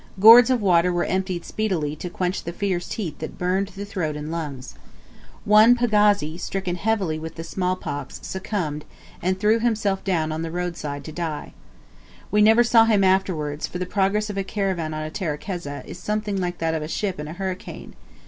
Gourds of water were emptied speedily to quench the fierce heat that burned the throat and lungs. One pagazi, stricken heavily with the small pox, succumbed, and threw himself down on the roadside to die. We never saw him afterwards, for the progress of a caravan on a terekeza, is something like that of a ship in a hurricane.